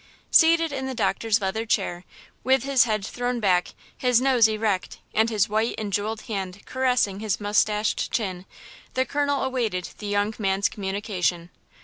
Seated in the doctor's leather chair, with his head thrown back, his nose erect and his white and jeweled hand caressing his mustached chin, the colonel awaited the young man's communication.